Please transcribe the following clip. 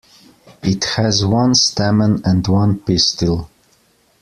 It has one stamen and one pistil.